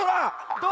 どう？